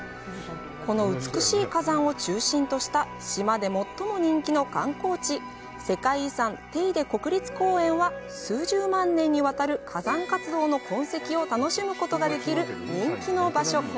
この美しい火山を中心とした、島で最も人気の観光地、世界遺産テイデ国立公園は数十万年にわたる火山活動の痕跡を楽しむことができる人気の場所。